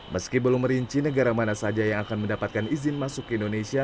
meski belum merinci negara mana saja yang akan mendapatkan izin masuk ke indonesia